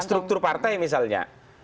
struktur partai misalnya